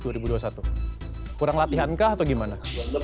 kurang latihankah atau gimana